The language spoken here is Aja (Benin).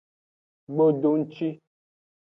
Gbodongci.